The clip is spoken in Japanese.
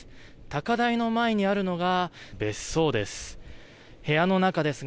高台の前にあるのが別荘です。